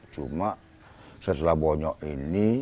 cuma setelah bonyok ini